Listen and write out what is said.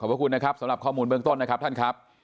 ขอบคุณนะครับสำหรับข้อมูลเบื้องต้นนะครับท่านครับ